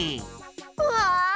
うわ！